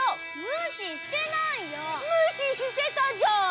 むししてたじゃん。